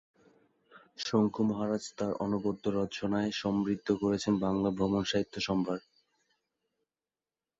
শঙ্কু মহারাজ তার অনবদ্য রচনায় সমৃদ্ধ করেছেন বাংলার ভ্রমণ সাহিত্য সম্ভার।